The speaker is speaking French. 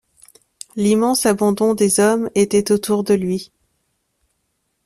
L’immense abandon des hommes était autour de lui.